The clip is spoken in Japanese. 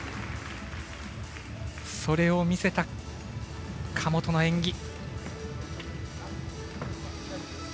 それを見せた、神本の演技。